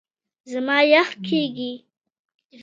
زما یخ کېږي .